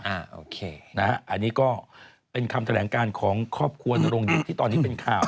โอเคนะฮะอันนี้ก็เป็นคำแถลงการของครอบครัวนรงเดชที่ตอนนี้เป็นข่าว